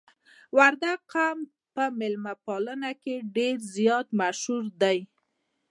وردګ قوم په میلمه پالنه کې ډیر زیات مشهور دي.